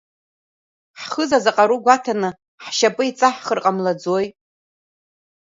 Ҳхыза заҟароу гәаҭаны ҳшьапы еиҵаҳхыр ҟамлаӡои?